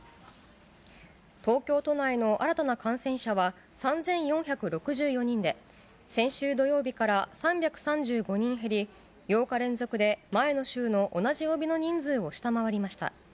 東京都内の新たな感染者は、３４６４人で、先週土曜日から３３５人減り、８日連続で前の週の同じ曜日の人数を下回りました。